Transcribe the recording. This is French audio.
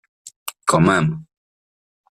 Quand même